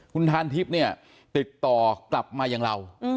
คุณทานทิพย์เนี่ยติดต่อกลับมาอย่างเรา